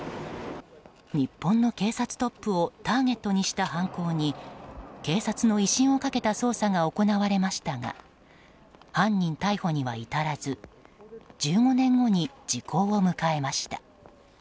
日本の警察トップをターゲットにした犯行に警察の威信を懸けた捜査が行われましたが犯人逮捕には至らず１５年後に時効を迎えました。